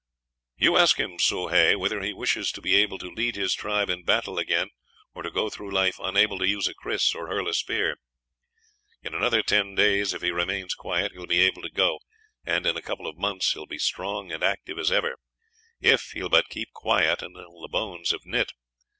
"You ask him, Soh Hay, whether he wishes to be able to lead his tribe in battle again, or to go through life unable to use a kris or hurl a spear. In another ten days, if he remains quiet, he will be able to go, and in a couple of months will be as strong and active as ever, if he will but keep quiet until the bones have knit.